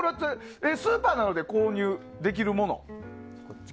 スーパーなどで購入できるもの。